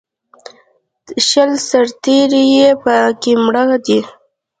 شل سرتېري یې په کې مړه دي